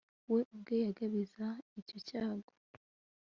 we ubwe yigabiza icyo cyago